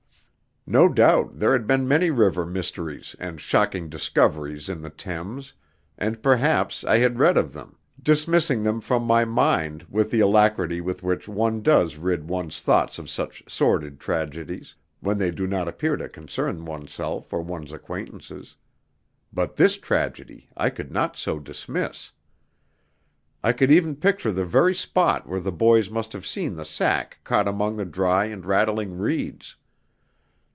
No doubt there had been many river mysteries and "shocking discoveries" in the Thames, and perhaps I had read of them, dismissing them from my mind with the alacrity with which one does rid one's thoughts of such sordid tragedies, when they do not happen to concern oneself or one's acquaintances. But this tragedy I could not so dismiss. I could even picture the very spot where the boys must have seen the sack caught among the dry and rattling reeds.